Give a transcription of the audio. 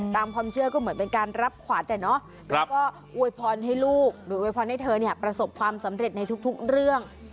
ตามความเชื่อและเหมือนประสบความสำเร็จในทุกเรื่อง